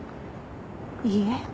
いいえ。